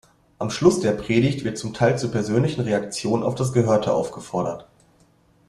Am Schluss der Predigt wird zum Teil zu persönlichen Reaktionen auf das Gehörte aufgefordert.